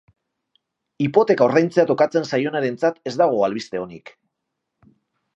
Hipoteka ordaintzea tokatzen zaionarentzat ez dago albiste onik.